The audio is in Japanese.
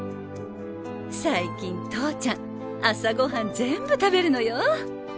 最近投ちゃん朝ごはん全部食べるのよ。